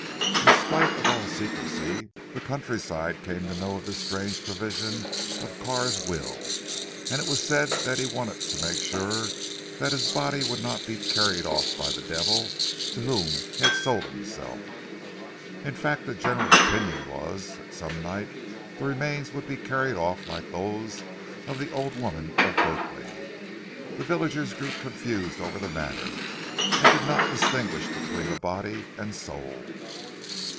In spite of all secrecy, the countryside came to know of this strange provision of Carr's will, and it was said that he wanted to make sure that his body would not be carried off by the devil to whom he had sold himself. In fact the general opinion was, that some night the remains would be carried off like those of the old woman of Berkley. The villagers grew confused over the matter, and did not distinguish between the body and soul.